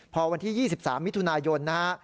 พอวันที่๒๓มิถุนายนนะฮะ